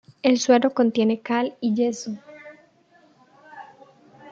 El suelo contiene cal y yeso.